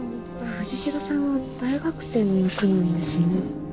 藤代さんは大学生の役なんですね。